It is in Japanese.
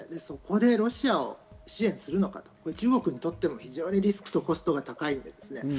そこでロシアを支援するのか、中国にとっても非常にリスクとコストが高いです。